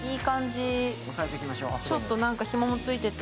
ちょっとひもも付いてて。